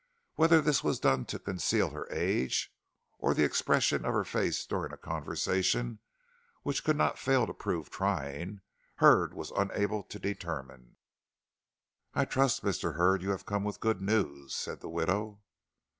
Whether this was done to conceal her age, or the expression of her face during a conversation which could not fail to prove trying, Hurd was unable to determine. "I trust, Mr. Hurd, you have come with good news," said the widow.